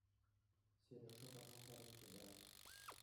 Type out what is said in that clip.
Сережа вӑрман варринче тӑрать.